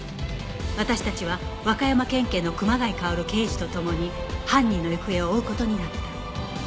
私たちは和歌山県警の熊谷馨刑事と共に犯人の行方を追う事になった